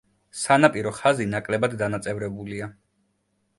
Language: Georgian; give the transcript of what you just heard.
სანაპირო ხაზი ნაკლებად დანაწევრებულია.